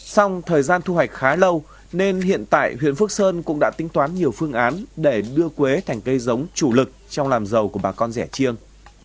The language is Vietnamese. xong thời gian thu hoạch khá lâu nên hiện tại huyện phước sơn cũng đã tính toán nhiều phương án để đưa quế thành cây giống chủ lực trong làm giàu của bà con rẻ chiêng